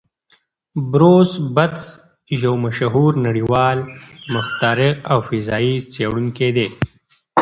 بروس بتز یو مشهور نړیوال مخترع او فضايي څېړونکی دی.